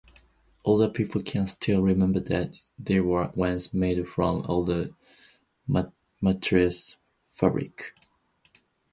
Older people can still remember that they were once made from old mattress fabric.